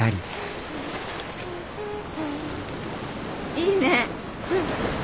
いいね。